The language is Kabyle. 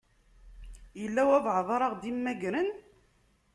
Yella walebɛaḍ ara ɣ-d-imagren?